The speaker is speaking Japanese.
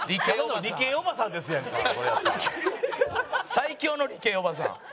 最強の理系おばさん。